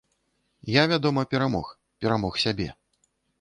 Я, вядома, перамог, перамог сябе.